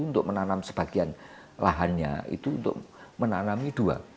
untuk menanam sebagian lahannya itu untuk menanami dua